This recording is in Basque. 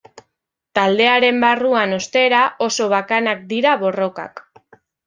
Taldearen barruan, ostera, oso bakanak dira borrokak.